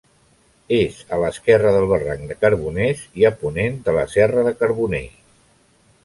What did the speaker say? És a l'esquerra del barranc de Carboners i a ponent de la Serra de Carboner.